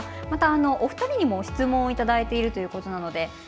また、お二人にも質問いただいているということです。